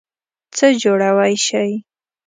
څه جوړوئ شی؟